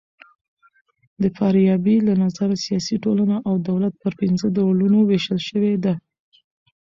د فارابۍ له نظره سیاسي ټولنه او دولت پر پنځه ډولونو وېشل سوي دي.